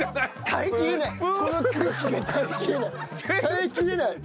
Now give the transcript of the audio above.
耐えきれない！